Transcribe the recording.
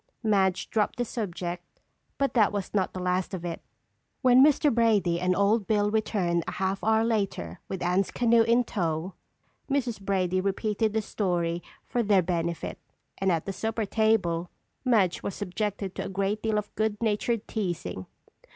Madge dropped the subject but that was not the last of it. When Mr. Brady and Old Bill returned a half hour later with Anne's canoe in tow, Mrs. Brady repeated the story for their benefit and at the supper table Madge was subjected to a great deal of goodnatured teasing.